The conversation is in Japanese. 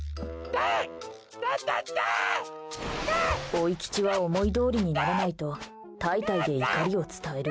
甥吉は思いどおりにならないと「たいたい」で怒りを伝える。